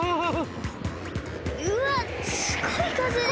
うわっすごいかぜです！